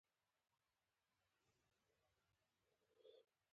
دا خدمتګر ډېر منظم کار کوي.